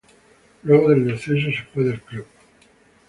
Luego del descenso se fue del club.